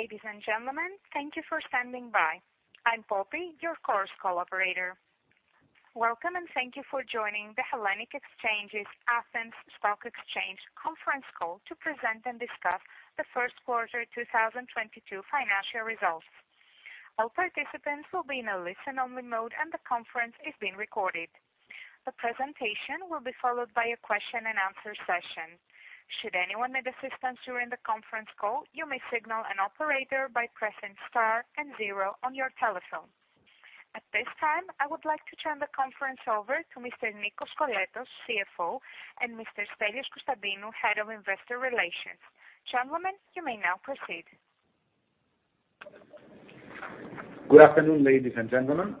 Ladies and gentlemen, thank you for standing by. I'm Poppy, your conference operator. Welcome, and thank you for joining the Hellenic Exchanges-Athens Stock Exchange conference call to present and discuss the first quarter 2022 financial results. All participants will be in a listen only mode, and the conference is being recorded. The presentation will be followed by a question and answer session. Should anyone need assistance during the conference call, you may signal an operator by pressing star and zero on your telephone. At this time, I would like to turn the conference over to Mr. Nikos Koskoletos, CFO, and Mr. Stelios Konstantinou, Head of Investor Relations. Gentlemen, you may now proceed. Good afternoon, ladies and gentlemen,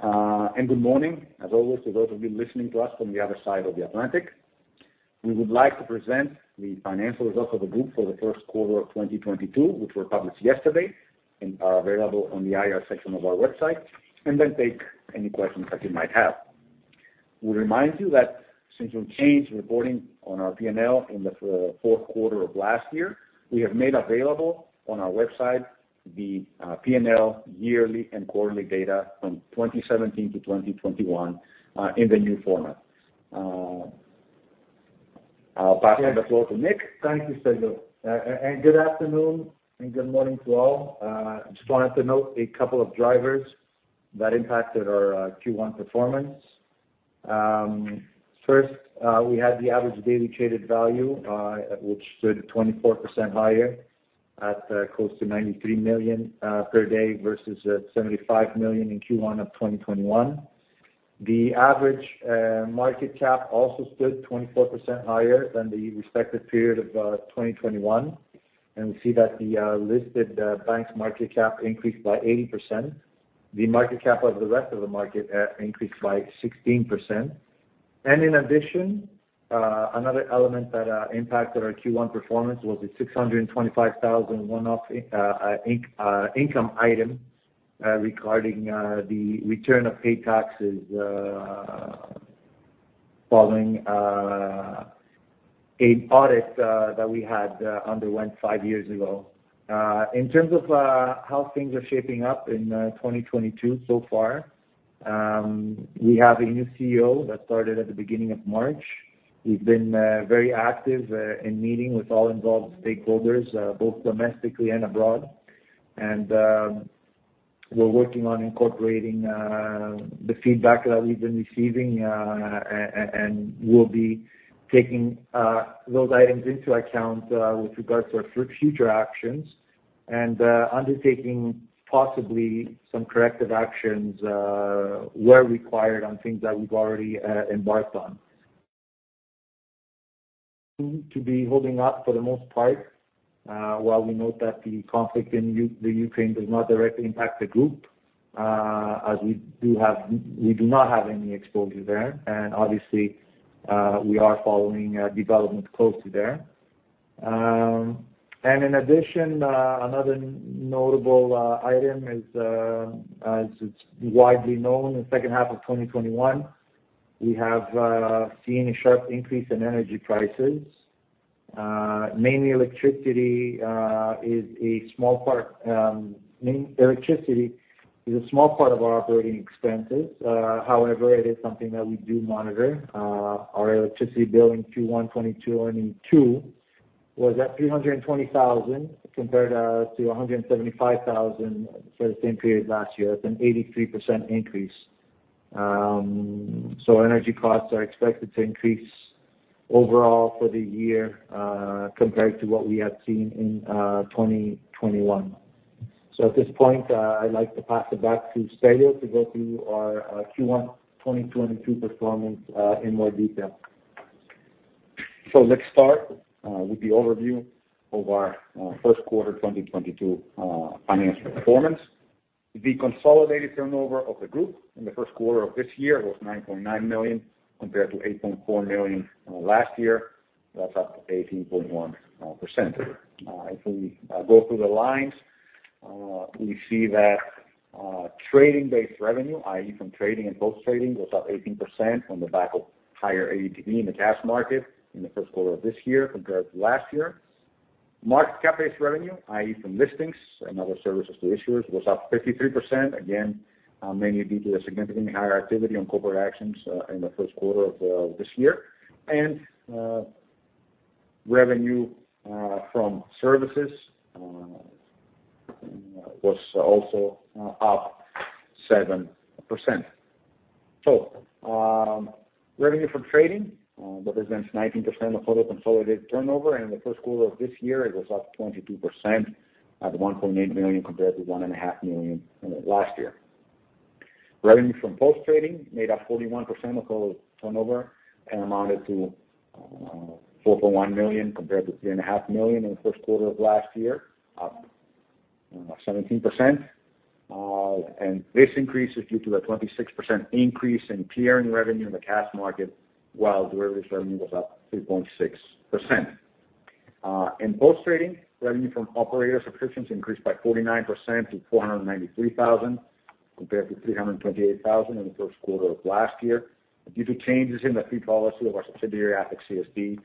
and good morning as always to those of you listening to us from the other side of the Atlantic. We would like to present the financial results of the group for the first quarter of 2022, which were published yesterday and are available on the IR section of our website, and then take any questions that you might have. We remind you that since we changed reporting on our P&L in the fourth quarter of last year, we have made available on our website the P&L yearly and quarterly data from 2017 to 2021 in the new format. I'll pass the floor to Nick. Thank you, Stelios. Good afternoon and good morning to all. Just wanted to note a couple of drivers that impacted our Q1 performance. First, we had the average daily traded value, which stood at 24% higher at close to 93 million per day versus 75 million in Q1 of 2021. The average market cap also stood 24% higher than the respective period of 2021, and we see that the listed banks market cap increased by 80%. The market cap of the rest of the market increased by 16%. In addition, another element that impacted our Q1 performance was the 625,000 one-off income item regarding the return of paid taxes following an audit that we had underwent five years ago. In terms of how things are shaping up in 2022 so far, we have a new CEO that started at the beginning of March. We've been very active in meeting with all involved stakeholders, both domestically and abroad. We're working on incorporating the feedback that we've been receiving, and we'll be taking those items into account with regards to our future actions and undertaking possibly some corrective actions where required on things that we've already embarked on. Seem to be holding up for the most part, while we note that the conflict in Ukraine does not directly impact the group, we do not have any exposure there, and obviously, we are following development closely there. In addition, another notable item is, as it's widely known, the second half of 2021, we have seen a sharp increase in energy prices. Mainly electricity is a small part of our operating expenses, however, it is something that we do monitor. Our electricity bill in Q1 2022 was at 320,000 compared to 175,000 for the same period last year. That's an 83% increase. Energy costs are expected to increase overall for the year, compared to what we have seen in 2021. At this point, I'd like to pass it back to Stelios to go through our Q1 2022 performance in more detail. Let's start with the overview of our first quarter 2022 financial performance. The consolidated turnover of the group in the first quarter of this year was 9.9 million compared to 8.4 million from last year. That's up 18.1%. If we go through the lines, we see that trading-based revenue, i.e., from trading and post-trading, was up 18% on the back of higher ADTV in the cash market in the first quarter of this year compared to last year. Market cap-based revenue, i.e., from listings and other services to issuers, was up 53%, again mainly due to a significantly higher activity on corporate actions in the first quarter of this year. Revenue from services was also up 7%. Revenue from Trading represents 19% of total consolidated turnover, and in the first quarter of this year, it was up 22% at 1.8 million compared to 1.5 million from last year. Revenue from Post trading made up 41% of total turnover and amounted to 4.1 million compared to 3.5 million in the first quarter of last year, up 17%. This increase is due to a 26% increase in clearing revenue in the cash market, while derivatives revenue was up 3.6%. In Post trading, revenue from operator subscriptions increased by 49% to 493,000, compared to 328,000 in the first quarter of last year, due to changes in the fee policy of our subsidiary, ATHEXCSD,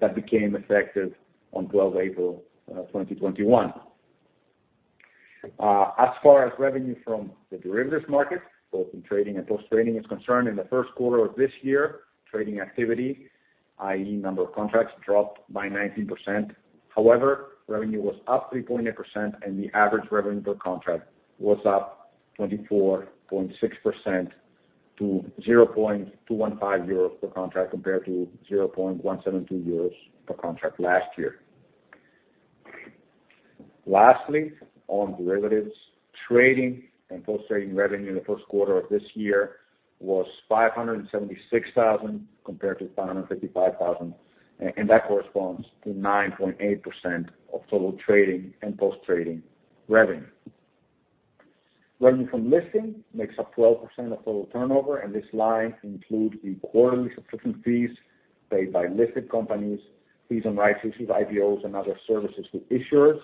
that became effective on 12 April 2021. As far as revenue from the derivatives market, both in Trading and Post-trading, is concerned, in the first quarter of this year, trading activity, i.e., number of contracts, dropped by 19%. However, revenue was up 3.8%, and the average revenue per contract was up 24.6% to 0.215 euros per contract, compared to 0.172 euros per contract last year. Lastly, on derivatives, Trading and Post-Trading revenue in the first quarter of this year was 576,000, compared to EUR,000, and that corresponds to 9.8% of total Trading and Post-Trading revenue. Revenue from Listing makes up 12% of total turnover, and this line includes the quarterly subscription fees paid by listed companies, fees on licenses, IPOs, and other services to issuers,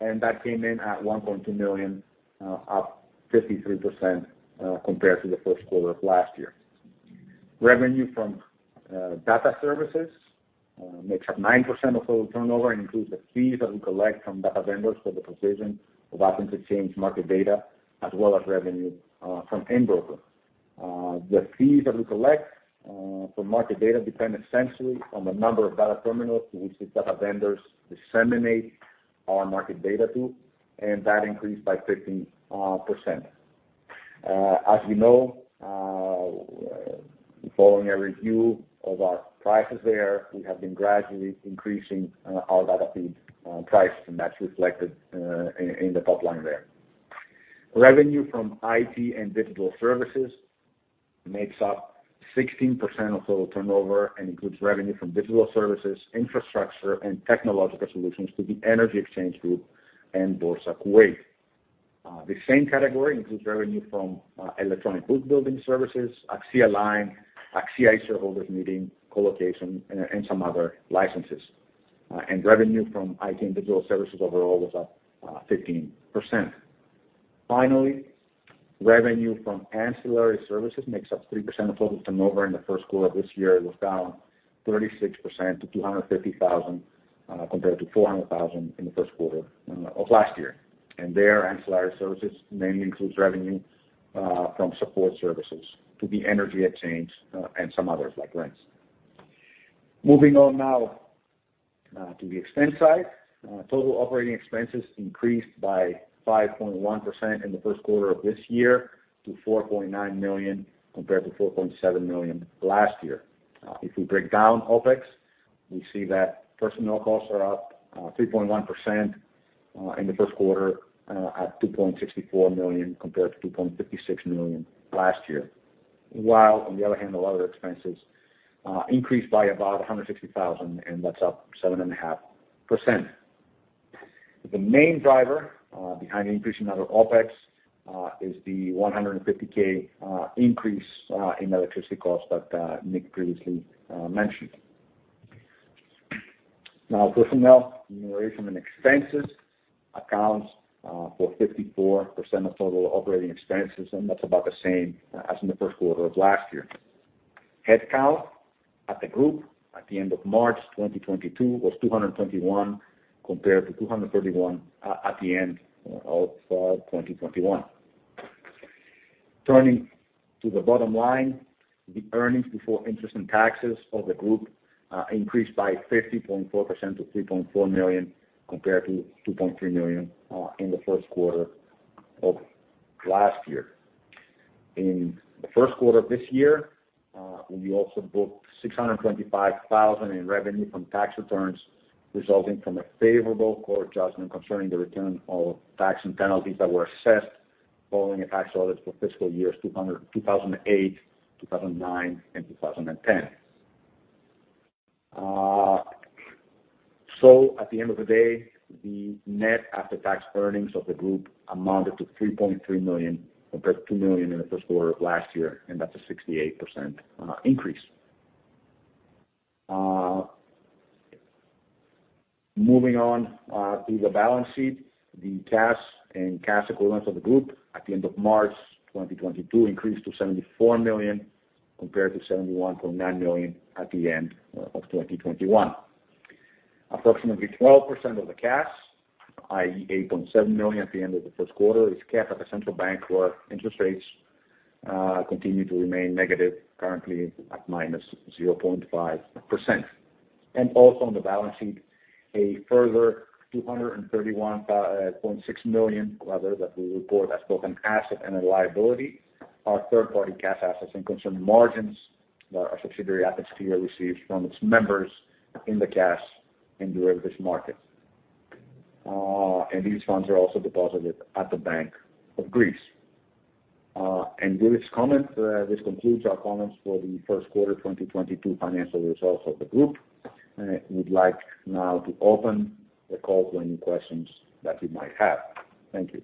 and that came in at 1.2 million, up 53%, compared to the first quarter of last year. Revenue from Data Services makes up 9% of total turnover, includes the fees that we collect from data vendors for the provision of Athens Exchange market data, as well as revenue from InBroker. The fees that we collect from market data depend essentially on the number of data terminals to which the data vendors disseminate our market data to, and that increased by 15%. As you know, following a review of our prices there, we have been gradually increasing our data feed price, and that's reflected in the top line there. Revenue from IT and digital services makes up 16% of total turnover and includes revenue from digital services, infrastructure, and technological solutions to the Energy Exchange Group and Boursa Kuwait. The same category includes revenue from electronic book building services, AXIAline, AXIA e-Shareholders Meeting, colocation, and some other licenses. Revenue from IT and digital services overall was up 15%. Finally, revenue from ancillary services makes up 3% of total turnover in the first quarter of this year. It was down 36% to 250,000, compared to 400,000 in the first quarter of last year. There, ancillary services mainly includes revenue from support services to the Energy Exchange and some others, like rents. Moving on now to the expense side. Total operating expenses increased by 5.1% in the first quarter of this year to 4.9 million, compared to 4.7 million last year. If we break down OpEx, we see that personnel costs are up 3.1% in the first quarter at 2.64 million, compared to 2.56 million last year. While on the other hand, other expenses increased by about 160,000, and that's up 7.5%. The main driver behind the increase in our OpEx is the 150,000 increase in electricity costs that Nick previously mentioned. Now, personnel remuneration and expenses accounts for 54% of total operating expenses, and that's about the same as in the first quarter of last year. Headcount at the group at the end of March 2022 was 221, compared to 231 at the end of 2021. Turning to the bottom line, the earnings before interest and taxes of the group increased by 50.4% to 3.4 million, compared to 2.3 million in the first quarter of last year. In the first quarter of this year, we also booked 625,000 in revenue from tax returns, resulting from a favorable court judgment concerning the return of tax and penalties that were assessed following a tax audit for fiscal years 2008, 2009, and 2010. At the end of the day, the net after-tax earnings of the group amounted to 3.3 million, compared to 2 million in the first quarter of last year, and that's a 68% increase. Moving on to the balance sheet. The cash and cash equivalents of the group at the end of March 2022 increased to 74 million, compared to 71.9 million at the end of 2021. Approximately 12% of the cash, i.e., 8.7 million at the end of the first quarter, is kept at the central bank, where interest rates continue to remain negative, currently at -0.5%. On the balance sheet, a further 231.6 million, rather, that we report as both an asset and a liability, are third-party cash assets and customer margins that our subsidiary, ATHEXClear, receives from its members in the cash and derivatives market. These funds are also deposited at the Bank of Greece. With this comment, this concludes our comments for the first quarter of 2022 financial results of the group. I would like now to open the call to any questions that you might have. Thank you.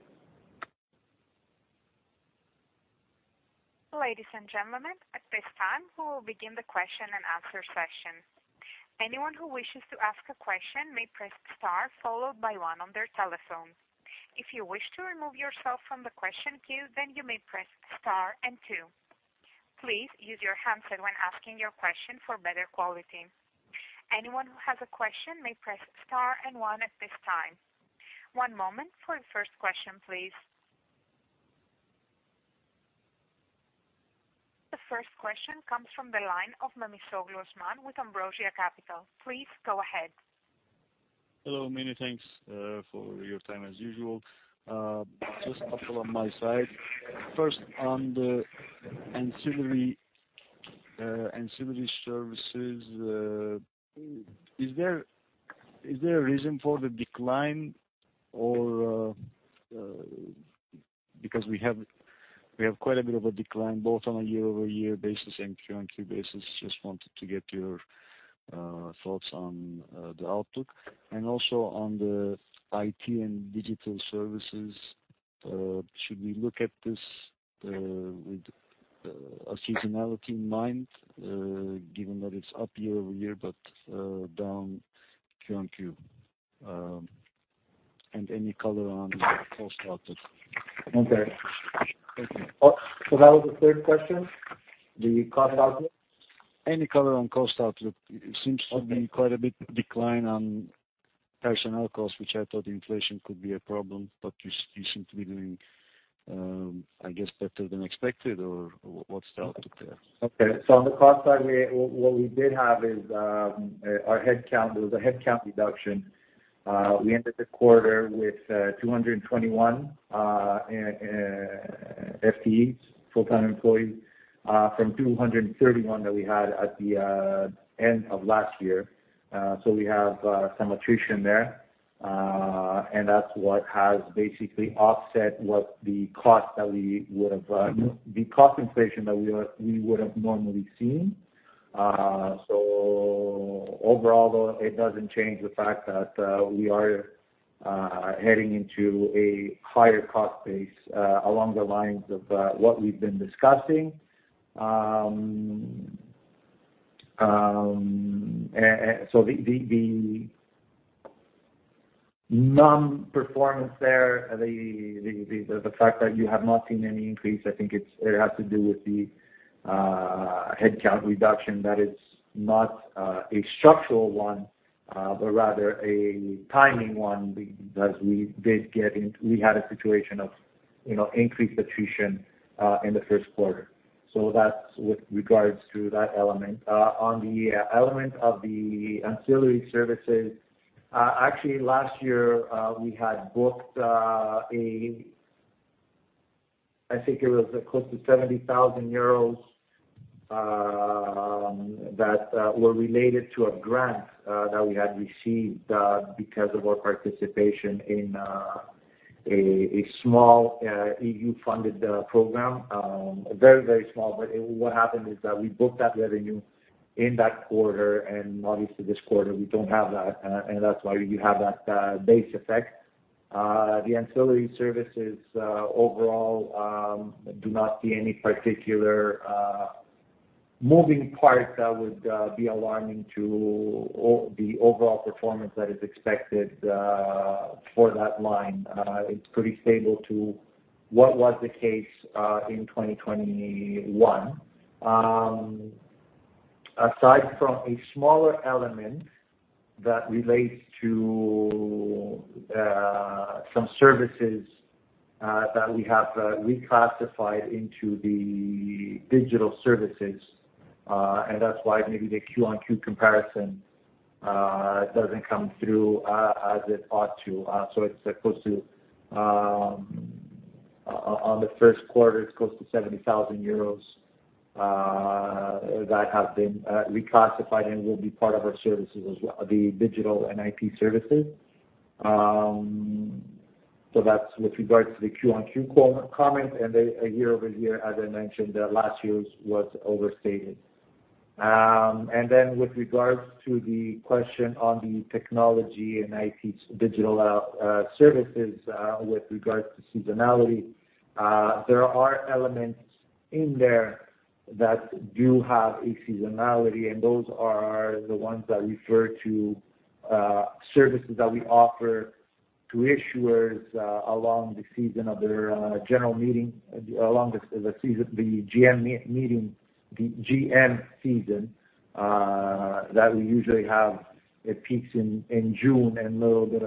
Ladies and gentlemen, at this time we will begin the question and answer session. Anyone who wishes to ask a question may press star followed by one on their telephone. If you wish to remove yourself from the question queue, then you may press star and two. Please use your handset when asking your question for better quality. Anyone who has a question may press star and one at this time. One moment for the first question, please. The first question comes from the line of Memisoglu Osman with Ambrosia Capital. Please go ahead. Hello, many thanks for your time as usual. Just a couple on my side. First, on the Ancillary services, is there a reason for the decline or because we have quite a bit of a decline both on a year-over-year basis and Q-on-Q basis. Just wanted to get your thoughts on the outlook. Also on the IT and digital services, should we look at this with seasonality in mind, given that it's up year-over-year but down Q-on-Q? And any color on the cost outlook? Okay. Thank you. Oh, that was the third question, the cost outlook? Any color on cost outlook? Okay. It seems to be quite a bit of a decline in personnel costs, which I thought inflation could be a problem, but you seem to be doing, I guess, better than expected or what's the outlook there? On the cost side, what we did have is our headcount. There was a headcount reduction. We ended the quarter with 221 FTEs, full-time equivalents, from 231 that we had at the end of last year. We have some attrition there, and that's what has basically offset what the cost that we would have. Mm-hmm The cost inflation that we would have normally seen. Overall, though, it doesn't change the fact that we are heading into a higher cost base, along the lines of what we've been discussing. The non-performance there, the fact that you have not seen any increase, I think it has to do with the headcount reduction that is not a structural one, but rather a timing one because we had a situation of, you know, increased attrition in the first quarter. That's with regards to that element. On the element of the ancillary services, actually last year we had booked a I think it was close to 70,000 euros that were related to a grant that we had received because of our participation in a small EU-funded program. Very, very small, but what happened is that we booked that revenue in that quarter, and obviously this quarter we don't have that, and that's why you have that base effect. The Ancillary services overall do not see any particular moving parts that would be alarming to the overall performance that is expected for that line. It's pretty stable to what was the case in 2021. Aside from a smaller element that relates to some services that we have reclassified into the digital services, and that's why maybe the Q-on-Q comparison doesn't come through as it ought to. So it's close to on the first quarter, it's close to 70,000 euros that have been reclassified and will be part of our services as well, the digital and IT services. So that's with regards to the Q-on-Q comment. The year-over-year, as I mentioned, last year's was overstated. With regards to the question on the technology and IT and digital services, with regards to seasonality, there are elements in there that do have a seasonality, and those are the ones that refer to services that we offer to issuers along the season of their general meeting, along the GM season that we usually have. It peaks in June and a little bit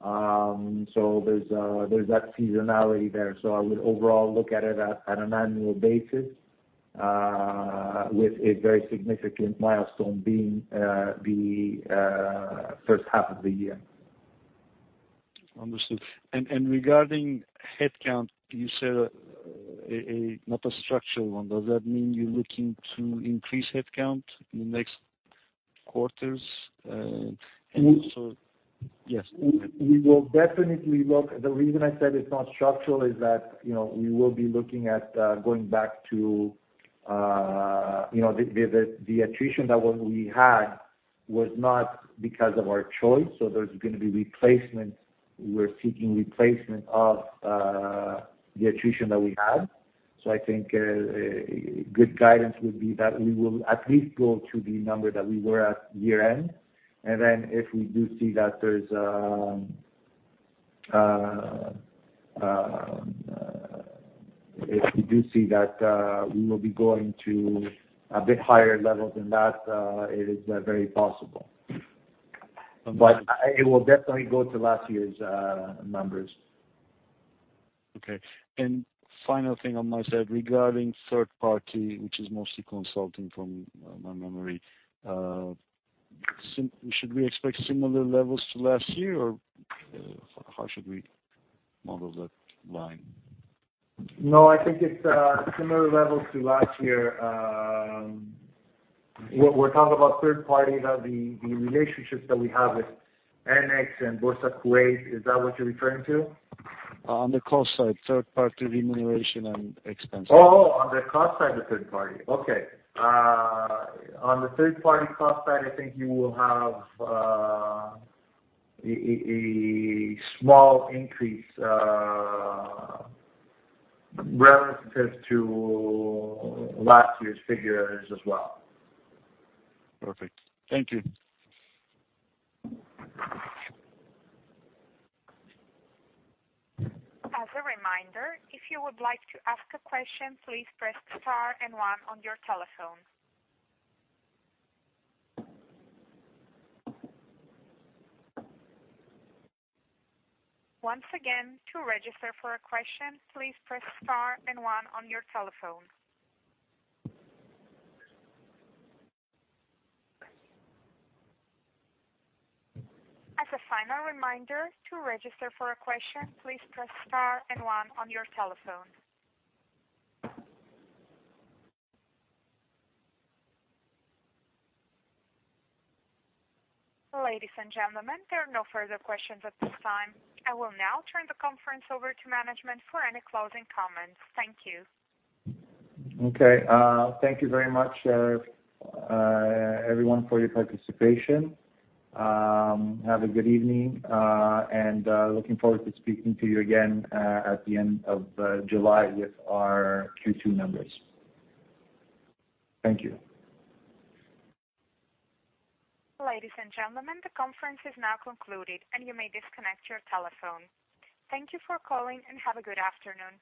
of July. There's that seasonality there. I would overall look at it at an annual basis with a very significant milestone being the first half of the year. Understood. Regarding headcount, you said not a structural one. Does that mean you're looking to increase headcount in the next quarters? We- Yes. We will definitely look. The reason I said it's not structural is that, you know, we will be looking at going back to, you know, the attrition that we had. Was not because of our choice. There's gonna be replacements. We're seeking replacement of the attrition that we had. I think good guidance would be that we will at least go to the number that we were at year-end. Then if we do see that we will be going to a bit higher level than that, it is very possible. It will definitely go to last year's numbers. Okay. Final thing on my side regarding third party, which is mostly consulting from my memory. Should we expect similar levels to last year or, how should we model that line? No, I think it's similar levels to last year. We're talking about third party, the relationships that we have with EnEx and Boursa Kuwait. Is that what you're referring to? On the cost side, third party remuneration and expenses. On the cost side, the third party. Okay. On the third party cost side, I think you will have a small increase relative to last year's figures as well. Perfect. Thank you. As a reminder, if you would like to ask a question, please press star and one on your telephone. Once again, to register for a question, please press star and one on your telephone. As a final reminder, to register for a question, please press star and one on your telephone. Ladies and gentlemen, there are no further questions at this time. I will now turn the conference over to management for any closing comments. Thank you. Okay, thank you very much, everyone for your participation. Have a good evening, and looking forward to speaking to you again, at the end of July with our Q2 numbers. Thank you. Ladies and gentlemen, the conference is now concluded, and you may disconnect your telephone. Thank you for calling and have a good afternoon.